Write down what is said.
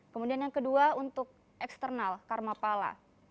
kemudian yang kedua untuk eksternal karmapala